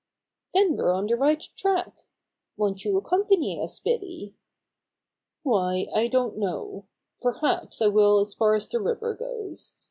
"Then we're on the right track. Won't you accompany us, Billy?" "Why, I don't know. Perhaps I will as far as the river goes.